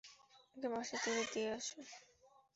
ওকে বাসে তুলে দিয়ে এসো।